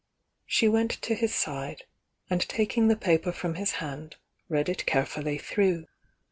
She went to his side, an<l taking tlio paper from his hand, read it carefully through.